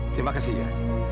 terima kasih ya